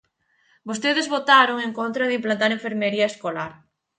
Vostedes votaron en contra de implantar enfermería escolar.